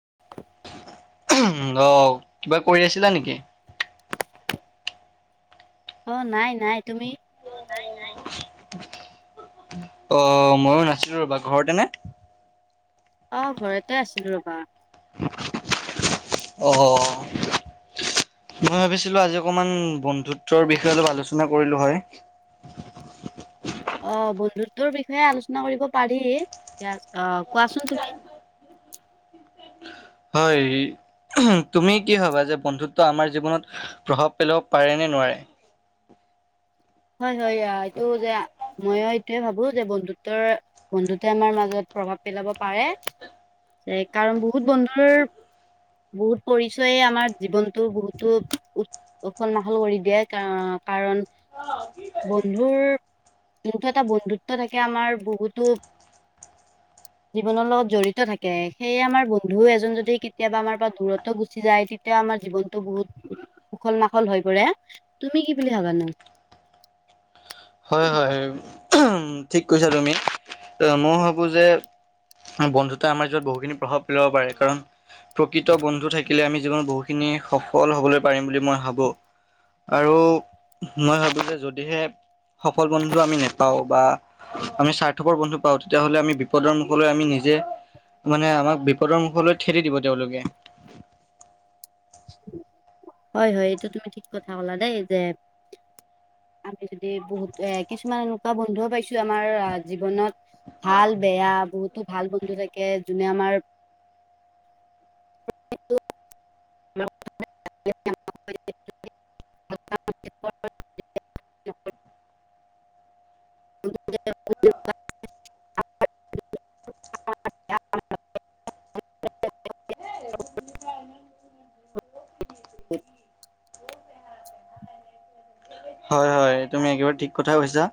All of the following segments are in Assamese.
[unintelligible] অহ কিবা কৰি আছিলা নেকি! অ নাই নাই তুমি অ ময়ো নাছিলো ৰ'বা ঘৰতে নে! অ ঘৰতে আছিলো ৰবা। অ। মই ভাবিছিলো আজি অকমান বন্ধুত্বৰ বিষয়ে অলপ আলোচনা কৰিলো হয়। [unintelligible] অ বন্ধুত্বৰ বিষয়ে আলোচনা কৰিব পাৰি অ কোৱাচোন তুমি [inaudible] হয়। তুমি কি ভাবা যে বন্ধুত্ব আমাৰ জীৱনত প্ৰভাৱ পেলাব পাৰে নে নোৱাৰে! [inaudible] সেয়াটো যে ময়ো এইটয়ে ভাবো যে বন্ধুত্বৰ বন্ধু্বে আমাৰ মাজত প্ৰভাৱ পেলাব পাৰে। কাৰণ বহুত বন্ধুৰ। বহুত পৰিচয়ে আমাৰ জীৱনতটো বহুতো উ উখল মাখল কৰি দিয়ে কাৰণ কাৰণ, বন্ধুৰ যোনটো এটা বন্ধুত্ব থাকে আমাৰ বহুতো। [unintelligible] জীৱনৰ লগত জড়িত থাকে সেয়ে আমাৰ বন্ধু এজন যদি কেতিয়াবা আমাৰ পৰা দূৰত্ব গুচি যায় তেতিয়া। আমাৰ জীৱনতটো বহুত উখল মাখল হৈ পৰে তুমি কি বুলি ভাবানো। হয় হয় ঠিক কৈছা তুমি মই ভাবো যে বন্ধুতে আমাৰ জিৱত বহুখিনি প্ৰভাৱ পেলাব পাৰে কাৰণ প্ৰকৃত বন্ধু থাকিলে আমি জীৱনত বহুতখিনি। সফল হবলৈ পাৰিম বুলি মই ভাবো। আৰু মই ভাবো যে যদিহে। সফল বন্ধু আমি নেপাওঁ বা আমি স্বাৰ্থপকৰ বন্ধু পাওঁ তেতিয়াাহলে আমি বিপদৰ মুখলৈ আমি নিজে। মানে আমাক বিপদৰ মুখলৈ ঠেদি দিব তেওঁলোকে। হয় হয় এইটো তুমি ঠিক কথা হলা দেই যে। আমি যদি বহুত এ কিছুমান এনেকুৱা বন্ধুও পাইছো আমাৰ জীৱনত ভাল বেয়া বহুতো ভাল বন্ধু থাকে যোনে আমাৰ [unintelligible] [unintelligible] [unintelligible] [inaudible] [unintelligible] হয় হয় তুমি একেবাৰে ঠিক কথা কৈছা।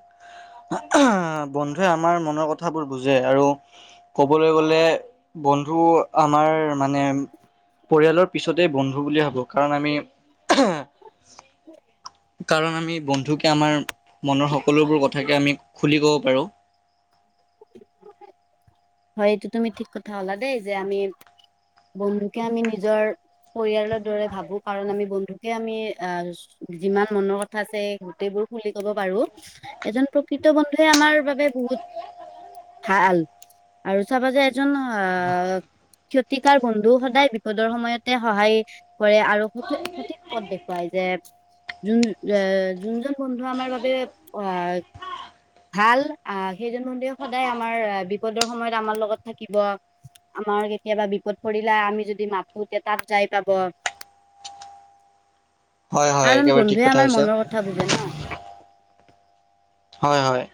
বন্ধুৱে আমাৰ মনৰ কথাবোৰ বুজে আৰু কবলৈ গলে। বন্ধু আমাৰ মানে। পৰিয়ালৰ পিছতেই বন্ধু বুলি ভাবো কাৰণ আমি। কাৰণ আমি বন্ধুকে আমাৰ মনৰ সকলোবোৰ কথাকে আমি খুলি ক'ব পাৰোঁ। [unintelligible] হয় এইটো তুমি ঠিক কথা হলা দেই যে আমি বন্ধুকে আমি নিজৰ। পৰিয়ালৰ দৰে ভাবো কাৰণ আমি বন্ধুকে আমি আহ যিমান মনৰ কথা আছে গোটেইবোৰ বুলি ক'ব পাৰো এজন প্ৰকৃত বন্ধুে আমাৰ বাবে বহুত ভাল আৰু চাবা যে এজন আহ। ক্ষতিকাৰ বন্ধু সদায় বিপদৰ সময়তে সহায় কৰে আৰু সঠ সঠিক পথ দেখুৱাই যায়। যে যোন এ যোনজন বন্ধু আমাৰ বাবে আহ ভাল আহ সেইজন বন্ধুৱে সদায় আমাৰ বিপদ সময়ত আমাৰ লগত থাকিব। আমাৰ কেতিয়াবা বিপদ পৰিল আমি যদি মাতোতে তাত যাই পাব। [unintelligible] হয় হয় কাৰণ একেবাৰে ঠিক বন্ধুৱে কথা আমাৰ কৈছা। মনৰ কথা বুজে ন হয় হয়।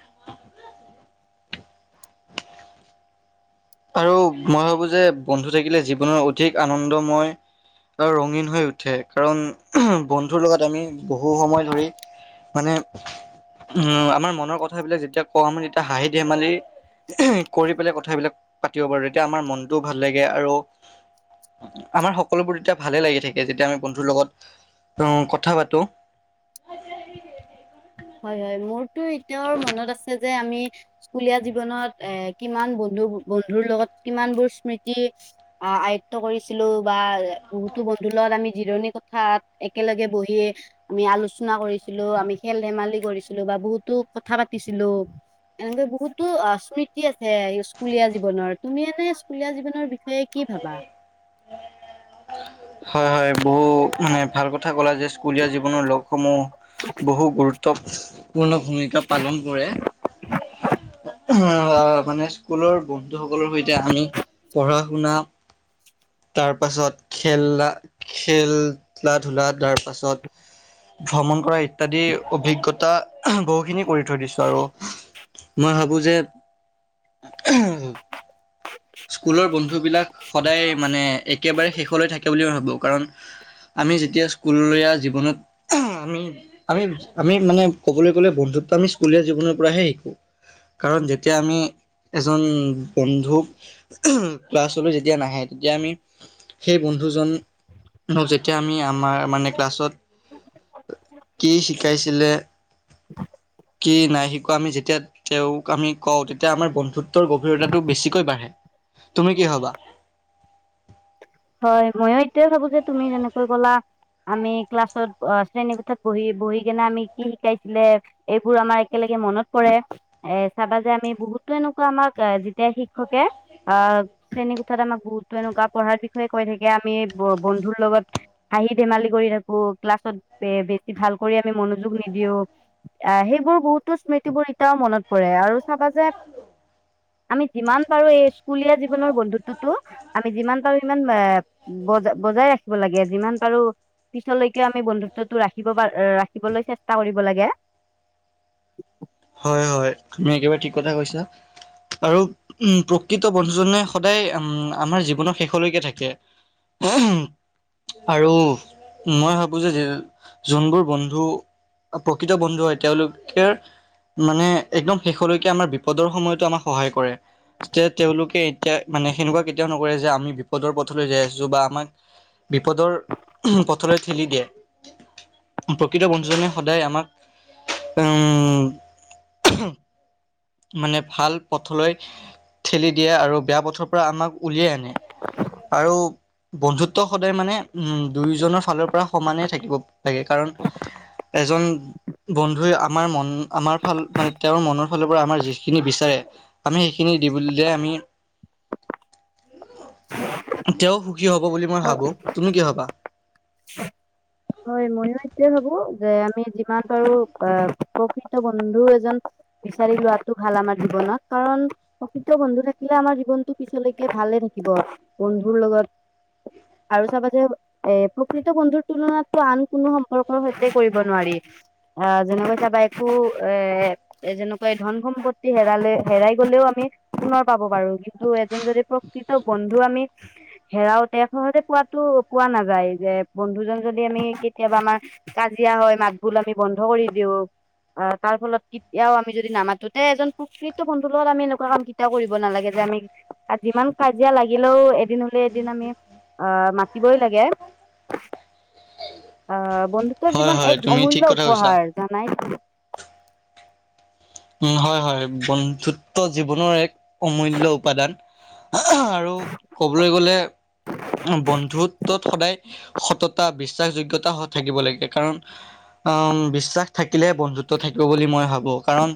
আৰু মই ভাবো যে বন্ধু থাকিলে জীৱনৰ অধিক আনন্দময় আৰু ৰঙীন হৈ উঠে। কাৰণ বন্ধুৰ লগত আমি বহু সময় ধৰি মানে উম আমাৰ মনৰ কথাবিলাক যেতিয়া কওঁ, আমি তেতিয়া হাঁহি-ধেমালিৰ কৰি পেলাই কথাবিলাক পাতিব পাৰোঁ, তেতিয়া আমাৰ মনটোও ভাল লাগে আৰু আমাৰ সকলোবোৰ তেতিয়া ভালে লাগি থাকে, যেতিয়া আমি বন্ধুৰ লগত উম কথা পাতোঁ। হয় - হয়। মোৰতো এতিয়াও মনত আছে যে আমি স্কুলীয়া জীৱনত এ- কিমান বন্ধু- বন্ধুৰ লগত কিমানবোৰ স্মৃতি আ- আয়ত্ব কৰিছিলোঁ বা বহুতো বন্ধুৰ লগত আমি জিৰণি কোঠাত একেলগে ব সি আমি আলোচনা কৰিছিলোঁ, আমি খেল ধেমালি কৰিছিলোঁ বা বহুতো কথা পাতিছিলোঁ। এনেকে বহুতো অ' স্মৃতি আছে, স্কুলীয়া জীৱনৰ। তুমি এনে স্কুলীয়া জীৱনৰ বিষয়ে কি ভাবা? হয় - হয়। বহু- মানে ভাল কথা ক'লা যে, স্কুলীয়া জীৱনৰ লগসমূহ বহু গুৰু ত্বপূৰ্ণ ভূমিকা পালন কৰে। অ' মানে স্কুলৰ বন্ধুসকলৰ সৈতে আমি পঢ়া-শুনা তাৰ পাছত খেললা- খেল লা ধূলা, তাৰ পাছত ভ্ৰমণ কৰা ইত্যাদি অভিজ্ঞতা বহুখিনি কৰি থৈ দিছোঁ আৰু। মই ভাবো যে স্কুলৰ ব- ন্ধুবিলাক সদায় মানে একেবাৰে শেষলৈ থাকে বুলি মই ভাবোঁ, কাৰণ আমি যেতিয়া স্কুলীয়া জীৱনত আমি - আমি - আমি মানে কবলৈ গ'লে বন্ধু ত্ব আমি স্কুলীয়া জীৱনৰ পৰাহে শিকোঁ। কাৰণ যেতিয়া আমি এজন বন্ধুক ক্লাছলৈ যেতিয়া নাহে, তেতিয়া আমি সেই বন্ধুজন যেতিয়া আমি আমাৰ মানে ক্লাছত কি শিকাইছিলে কি নাই শিকোৱা, আমি যেতিয়া তেওঁক আমি কওঁ, তেতিয়া আমাৰ বন্ধুত্বৰ গভীৰতাটো বেছিকৈ বাঢ়ে। তুমি কি ভাবা? হয়, ময়ো এইটোৱে ভাবো যে তুমি যেনেকৈ ক'লা আমি ক্লাছত অ'- শ্ৰেণীকোঠাত বহি- বহি কিনে আমি কি শিকাইছিলে, এইবোৰ আমাৰ একেলগে মনত পৰে। এ চাবা যে আমি বহুতো এনেকুৱা আমাক যেতিয়া শিক্ষকে অ'- শ্ৰেণীকোঠাত আমাক বহুতো এনে পঢ়া বিষয়ে কৈ থাকে, আমি ব- বন্ধুৰ লগত হাঁহি-ধেমালি কৰি থাকোঁ, ক্লাছত বে- বেছি ভাল নকৰি আমি মনোযোগ নিদিওঁ। অ' সেইবোৰ বহুতো স্মৃতিবোৰ এতিয়াও মনত পৰে আৰু চাবা যে হেল্ল'। আমি যিমান পাৰোঁ এই স্কুলীয়া জীৱনৰ বন্ধুত্বটো, আমি যিমান পাৰোঁ সিমান এ বজ- বজাই ৰাখিব লাগে, যিমান পাৰোঁ পিছলৈকে আমি বন্ধুত্বটো ৰাখিব পা- ৰাখিবলৈ চেষ্টা কৰিব লাগে। হয় - হয়, তুমি একেবাৰে ঠিক কথা কৈছা। আৰু উম প্ৰকৃত বন্ধুজনে সদায় উম আমাৰ জীৱনৰ শেষলৈকে থাকে। [unintelligible] আৰু মই ভাবো যে য- যোনবোৰ বন্ধু প্ৰকৃত বন্ধু হয়, তেওঁলোকেৰ মানে একদম শেষলৈকে আমাৰ বিপদৰ সময়তো আমাক সহায় কৰে। যে তেওঁলোকে এতিয়া- মানে সেনেকুৱা কেতিয়াও নকয় যে আমি বিপদৰ পথলৈ যাই আছোঁ বা আমাক বিপদৰ পথলৈ ঠেলি দিয়ে। প্ৰকৃত বন্ধুজনে সদায় আমাক উম মানে ভাল পথলৈ ঠেলি দিয়ে আৰু বেয়া পথৰ পৰা আমাক উলিয়াই আনে। আৰু বন্ধুত্ব সদায় মানে উম দুয়োজনৰ ফালৰ পৰা সমানেই থাকিব লাগে, কাৰণ এজন বন্ধুৱে আমাৰ মন আমাৰ হল মানে তেওঁৰ মনৰ ফালৰ পৰা আমাৰ যিখিনি বিচাৰে আমি সেইখিনি দ বুলিলে আমি। তেওঁ সুখী হব বুলি মই হয় ভাবো তুমি কি হবা হয় ময়ো এইয়ে ভাবো যে আমি যিমান পাৰো আহ প্ৰসিদ্ধ বন্ধু এজন। বিচাৰি লোৱাতটো ভাল আমাৰ জীৱনত কাৰণ প্ৰসিদ্ধ বন্ধু থাকিলে আমাৰ জীৱনতটো পিছলৈকে ভালে থাক থ বন্ধুৰ লগত আৰু চাবা যে এ প্ৰকৃত বন্ধুৰ তুলনাত আন কোনো সম্পৰ্কৰ সৈতে কৰিব নোৱাৰি। অ যেনেকৈ তাবা একো এ যেনেকৈ ধন সম্পত্তি হেৰালে হেৰাই গলেও আমি পুনৰ পাব পাৰো কিন্তু এজন যদি প্ৰকৃত বন্ধু আমি হেৰাও তে সহতে পোৱা তো পোৱা নাযায় যে বন্ধুজন যদি। য আমি কেতিয়াবা আমাৰ কাজিয়া হয় মাত বোল আমি বন্ধ কৰি দিওঁ অ তাৰ ফলত কেতিয়াও আমি যদি নামাতোতে এজন প্ৰকৃত বন্ধুৰ লগত আমি এনেকুৱা কাম কেতিয়াও কৰিব নালাগে। মি যিমান কাজিয়া লাগিলেও এদিন হলে এদিন আমি অ মাতিবই লাগে। [unintelligible] অহ বন্ধুত্বৰ হয় জীৱন হয় এক তুমি ঠিক অমূল্য কথা কৈছা উপহাৰ জানাইটো। উ হয় হয় বন্ধুত্ব জীৱনৰ এক অমূল্যয় উপাদান। আৰু ক'বলৈ গলে। বন্ধুত্বত সদায় সততা বিশ্বাসযোগ্যতা থাকিব লাগে কাৰণ আহ বিশ্বাস থাকিলে বন্ধুত্ব থাকিব বুলি মই ভাবো কাৰণ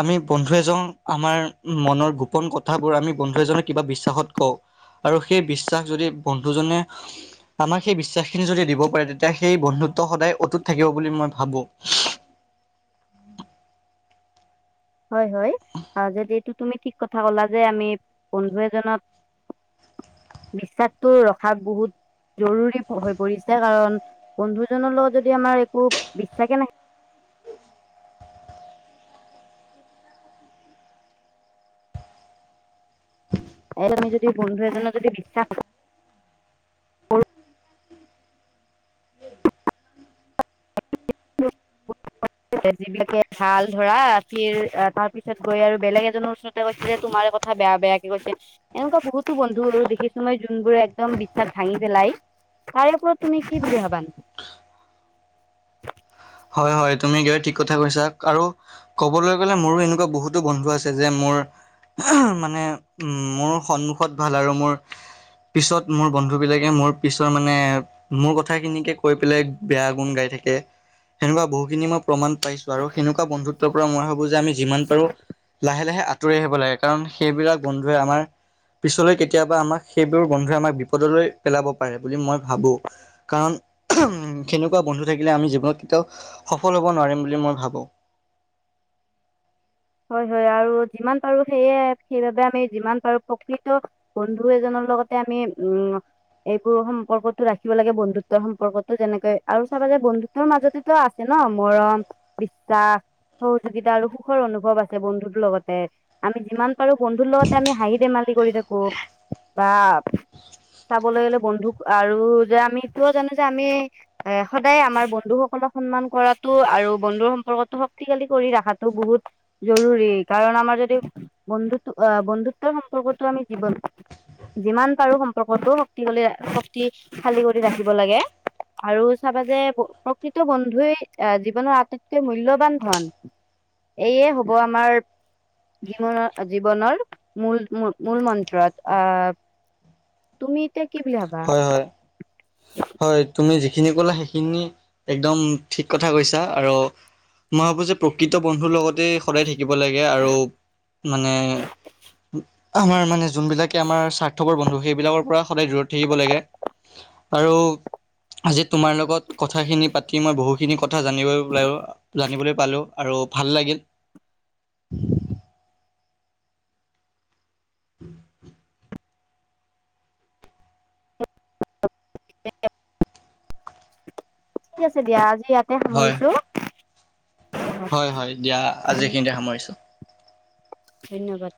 আমি বন্ধু এজন আমাৰ মনৰ গোপন কথাবোৰ আমি বন্ধু এজক কিবা বিশ্বাসত কওঁ আৰু সেই বিশ্বাস যদি বন্ধুজনে আমাক সেই বিশ্বাস খিনি যদি দিব পাৰে তেতিয়া সেই বন্ধু। ত সদায় অটুত থাকিব বুলি মই ভাবো। হয় হয় যদি এইটো তুমি ঠিক কথা কলা যে আমি বন্ধু এজনত বিশ্বাসতটো ৰখাক বহুত জৰুৰী হৈ পৰিছে কাৰণ বন্ধুজনৰ লগত যদি আমাৰ একো বিশ্বাসে নাই উ এতিয়া তুমি যদি বন্ধু এজনৰ যদি বিশ্বাস কৰা [unintelligible] যিবিলাকে ভালল ধৰা ৰাতি আৰু তাৰ পিছত গৈ আৰু বেলেগ এজনৰ ওচৰতে গৈ তোমাৰ কথা বেয়া বেয়াকে কৈছে এনেকুৱা বহুতো বন্ধু আৰু দেখিছো মই যোনবোৰে একদম বিশ্বাস ভাঙি পেলাই। তাৰে ওঁপৰত তুমি কি বিৰি হবান [unintelligible] হয় হয় তুমি গৈ ঠিক কথা কৈছা আৰু ক'বলৈ গ'লে মোৰো এনেকুৱা বহুতো বন্ধু আছে যে মোৰ মানে মোৰ সন্মুখত ভাল আৰু মোৰ পিছত মোৰ বন্ধু বিলাকে মোৰ পিছৰ মানে মোৰ কথা খিনিকে কৈ পেলাই বেয়া গুণ গাই থাকে সনেকুৱা বহু খিনি মই প্ৰমাণ পাইছো আৰু সেনেকুৱা বন্ধুত্ব পৰা মই ভাবো যে আমি। যিমান পাৰো লাহে লাহে আঁতৰি আহিব লাগে কাৰণ সেইবিলাক বন্ধুৱে আমাৰ। পিছলৈ কেতিয়াবা আমাক সেইবোৰ গন্ধে আমাক বিপদলৈ পেলাব পাৰে বুলি মই ভাবো কাৰণ। সেনেকুৱা বন্ধু থাকিলে আমি জীৱনত তেওঁ সফল হ'ব নোৱাৰিম বুলি মই ভাবো হয় হয় আৰু যিমান পাৰো সেয়ে সেইবাবে আমি যিমান পাৰো প্ৰকৃত বন্ধু এজনৰ লগতে আমি উম এইবোৰ সম্পৰ্কতটো ৰাখিব লাগে বন্ধুত্বৰ সম্পৰ্কতো যেনেকৈ আৰু চাবা যায় বন্ধুত্বৰ মাজতেতো আছে ন। ন মৰম বিশ্বাস সহযোগিতা আৰু সুখৰ অনুভৱ। অনুভৱ আছে বন্ধুতৰ লগতে আমি যিমান পাৰো বন্ধুৰ লগতে আমি হাঁহি ধেমালি কৰি থাকো। বা চাবলৈ গ'লে বন্ধু আৰু যে আমিটোও জানো যে আমি এ সদায় আমাৰ বন্ধুসকল সন্মান কৰাটোো আৰু বন্ধুৰ সম্পৰ্কতটো শক্তিশালী কৰি ৰাখাটো বহুত জৰুৰী কাৰণ আমাৰ যদি বন্ধুত্ব আহ বন্ধুত্বৰ সম্পৰ্কতো আমি জীৱন যিমান পাৰো সম্পৰ্কটো শক্তিশালী শক্তিশালী কৰি ৰাখিব লাগে। আৰু চাবা যে প্ৰকৃত বন্ধুৱই আহ জীৱনৰ আটাইতকৈ মূল্যবান ধন। এয়ে হ'ব আমাৰ। জীৱনৰ জীৱনৰ মূল মূল মন্ত্ৰত আহ। তুমি এতিয়া। কি বুলি ভাবা হয় হয় হয় তুমি। সেইখিনি ক'লে সেইখিনি একদম ঠিক কথা কৈছা আৰু মই ভাবোঁ যে প্ৰকৃতি বন্ধুৰ লগতে সদায় থাকিব লাগে আৰু মানে আমাৰ মানে যোনবিলাকে আমাৰ স্বাৰ্থপৰ বন্ধু সেইবিলাকৰ পৰা সদায় দূৰত এৰিব লাগেআৰু আজি তোমাৰ লগত কথাখিন পাতি মই বহু। সেইখিনি কথা জানিব জানিবলৈ পালো আৰু ভাল লাগিল। উম [unintelligible] উম। ঠিক আছে দিয়া আজি। ইয়াতে হয় সামৰিছো হয় হয় দিয়া আজিখিনিতে সামৰিছো ধন্যবাদ